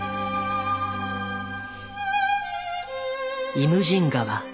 「イムジン河」。